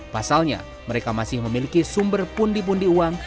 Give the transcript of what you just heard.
pasalnya mereka masih memiliki sumber pundi pundi uang